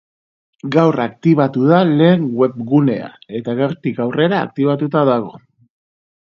Gaur aktibatu da lehen webgunea eta gaurtik aurrera aktibatuta dago.